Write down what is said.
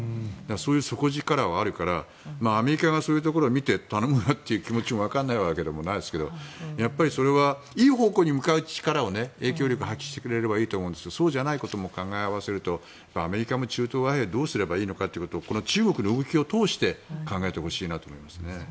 そういう底力はあるからアメリカがそういうところを見て頼むよという気持ちは分からないわけではないですがやっぱり、それはいい方向に向かう力は影響力を発揮してくれればいいと思うんですけどそうじゃないことも考え合わせるとアメリカも中東和平どうすればいいのかということを中国の動きを通して考えてほしいなと思いますね。